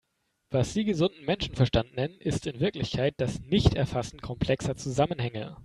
Was Sie gesunden Menschenverstand nennen, ist in Wirklichkeit das Nichterfassen komplexer Zusammenhänge.